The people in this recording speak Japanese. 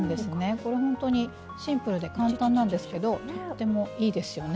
これ本当にシンプルで簡単なんですけどとてもいいですよね。